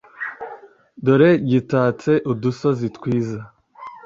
dore gitatse udusozi twiza